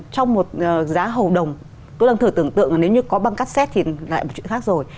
trong một giá hầu đồng tôi đang thử tưởng tượng là nếu như có băng cassette thì lại là một chuyện khác rồi